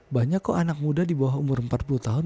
banyak kok anak muda di bawah umur empat puluh tahun